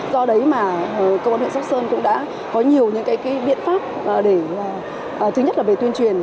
do đấy mà công an huyện sóc sơn cũng đã có nhiều những cái biện pháp để thứ nhất là về tuyên truyền